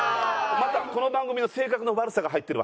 またこの番組の性格の悪さが入ってるわ。